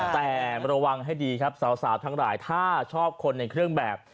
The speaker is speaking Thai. แต่ระวังให้ดีครับสาวทั้งหลายถ้าชอบคนในเครื่องแบบ